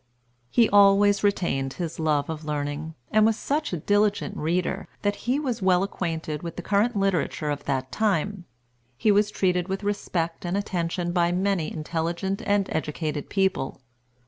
He always retained his love of learning, and was such a diligent reader, that he was well acquainted with the current literature of that time. He was treated with respect and attention by many intelligent and educated people.